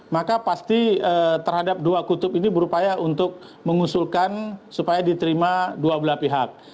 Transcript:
maka pasti terhadap dua kutub ini berupaya untuk mengusulkan supaya diterima dua belah pihak